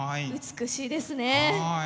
美しいですね。